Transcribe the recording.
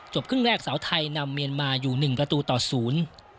ครึ่งแรกสาวไทยนำเมียนมาอยู่หนึ่งประตูต่อศูนย์